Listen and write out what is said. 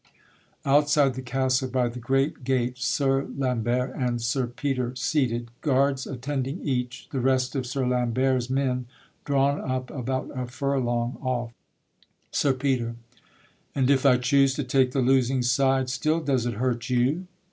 _ Outside the castle by the great gate; Sir Lambert and Sir Peter seated; guards attending each, the rest of Sir Lambert's men drawn up about a furlong off. SIR PETER. And if I choose to take the losing side Still, does it hurt you?